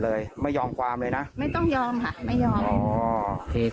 เลยไม่ยอมความเลยนะไม่ต้องยอมค่ะไม่ยอมอ๋อเหตุ